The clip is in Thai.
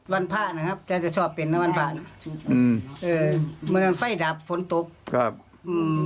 วันผ้านะครับแกจะชอบเป็นวันผ้าอืมเออมันมันไฟดับฝนตุ๊บครับอืม